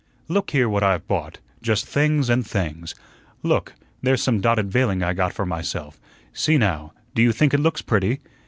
Look here what I've bought. Just things and things. Look, there's some dotted veiling I got for myself; see now, do you think it looks pretty?"